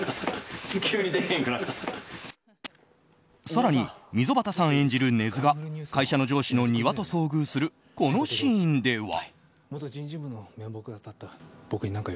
更に、溝端さん演じる根津が会社の上司の仁和と遭遇するこのシーンでは。